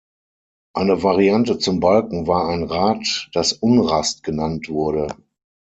Eine Variante zum Balken war ein Rad, das Unrast genannt wurde.